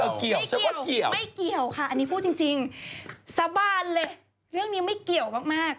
เกี่ยวไม่เกี่ยวไม่เกี่ยวค่ะอันนี้พูดจริงสาบานเลยเรื่องนี้ไม่เกี่ยวมากมาก